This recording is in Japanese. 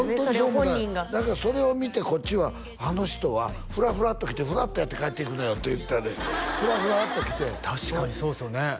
本人がだけどそれを見てこっちはあの人はふらふらっと来てふらっとやって帰っていくのよって言ってたでふらふらっと来て確かにそうですよね